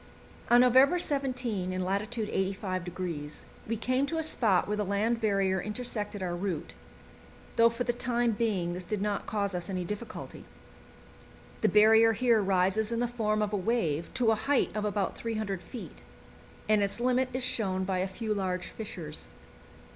On November 17, in lat. 85°, we came to a spot where the land barrier intersected our route, though for the time being this did not cause us any difficulty. The barrier here rises in the form of a wave to a height of about 300 feet, and its limit is shown by a few large fissures.